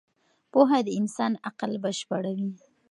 پوهه د انسان عقل بشپړوي.